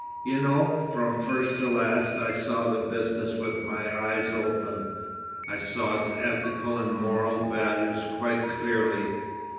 You know, from first to last, I saw the business with my eyes open, I saw its ethical and moral values quite clearly.